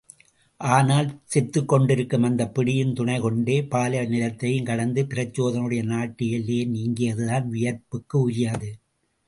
ஆனால், செத்துக்கொண்டிருக்கும் அந்தப் பிடியின் துணைகொண்டே பாலை நிலத்தையும் கடந்து பிரசோதனனுடைய நாட்டு எல்லையையும் நீங்கியதுதான் வியப்பிற்கு உரியது.